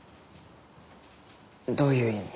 どういう意味？